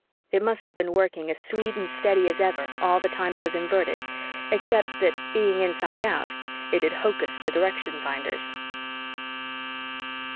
It must have been working as sweet and steady as ever, all the time it was Inverted, except that, being inside out, it had hocused the direction finders.